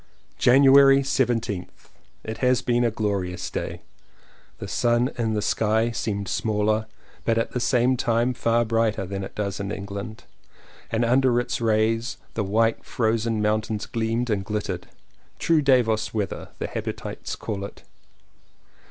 January 17th. It has been a glorious day. The sun in the sky seemed smaller, but at the same time far brighter than it does in England, and under its rays the white frozen mountains gleamed and glittered. "True Davos weather," the habitues call it.